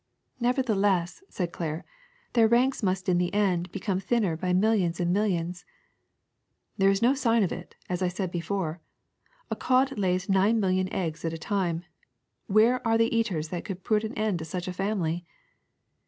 '^Nevertheless,'^ said Claire, ^' their ranks must in the end become thinner by millions and millions.'' ^^ There is no sign of it, as I said before. A cod lays nine million eggs at a time ! Where are the eat ers that could put an end to such a family